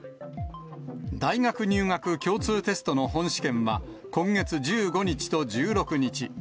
大学入学共通テストの本試験は今月１５日と１６日。